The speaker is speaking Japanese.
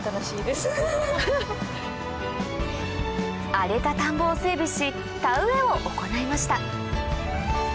荒れた田んぼを整備し田植えを行いました